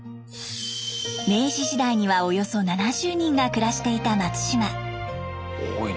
明治時代にはおよそ７０人が暮らしていた松島。